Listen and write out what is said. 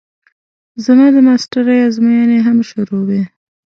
زما د ماسټرۍ ازموينې هم شروع وې.